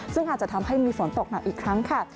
ซึ่งอาจจะทำให้มีฝนตกหนักอีกครั้งค่ะ